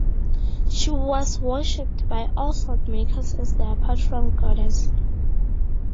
She was worshipped by all saltmakers as their patron goddess.